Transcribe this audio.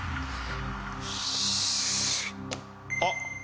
あっ！